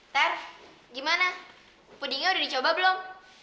tar gimana pudingnya udah dicoba belum